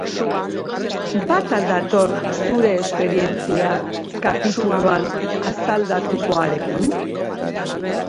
Bat al dator zure esperientzia kapituluan azaldutakoarekin?